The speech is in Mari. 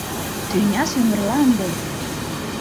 Тӱня сӱмырла ынде!..